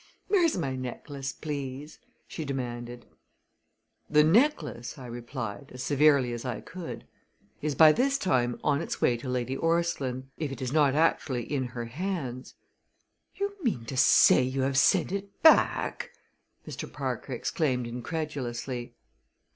"Where's my necklace, please?" she demanded. "The necklace," I replied, as severely as I could, "is by this time on its way to Lady Orstline if it is not actually in her hands." "You mean to say you have sent it back?" Mr. Parker exclaimed incredulously.